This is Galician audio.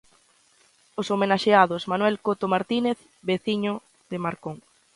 Os homenaxeados: Manuel Coto Martínez, veciño de Marcón.